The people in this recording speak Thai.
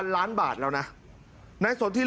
โหวตวันที่๒๒